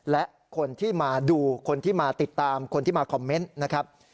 และคนที่มาดูคนที่มาติดตามคนที่มาคอมเมนต์นะครับ